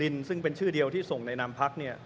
ซึ่งเป็นชื่อเดียวที่ส่งในนามพักเนี่ย